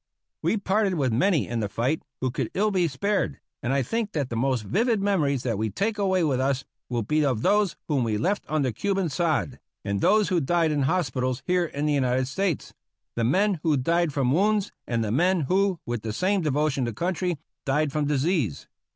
We parted with many in the fight who could ill be spared, and I think that the most vivid memories that we take away with us will be of those whom we left under Cuban sod and those who died in hospitals here in the United States — the men who died from wounds, and the men who, with the same devotion to country, died from disease.